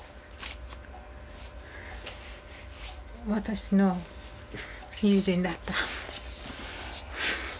私の友人だった。